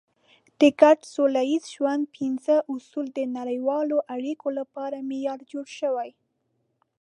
د ګډ سوله ییز ژوند پنځه اصول د نړیوالو اړیکو لپاره معیار جوړ شوی.